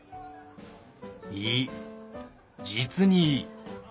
いい実にいい